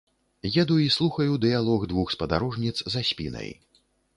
Еду і слухаю дыялог двух спадарожніц за спінай.